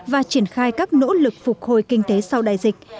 và triển khai các nỗ lực phục hồi kinh tế sau đại dịch